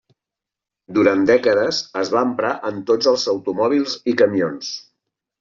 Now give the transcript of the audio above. Durant dècades es va emprar en tots els automòbils i camions.